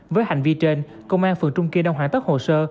với hành vi trên công an phường trung kiên đang hoàn tất hồ sơ